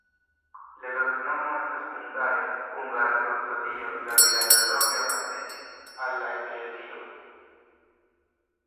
La loknomo estas hungare: hungara-kruco-Dio, la vilaĝo longe apartenis al la eklezio.